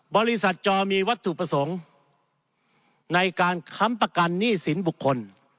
บริษัทจอมีวัตถุประสงค์ในการค้ำประกันหนี้สินบุคคล